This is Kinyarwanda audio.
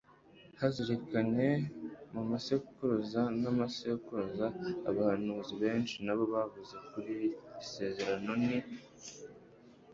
yazirikanye mu masekuruza n'amasekuruza, abahanuzi benshi nabo bavuze kuri iri sezerano ni